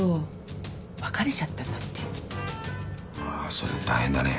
そりゃ大変だね。